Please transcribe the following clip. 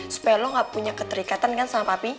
supaya lo gak punya keterikatan kan sama papi